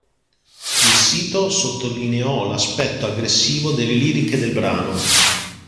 Il sito sottolineò l'aspetto aggressivo delle liriche del brano.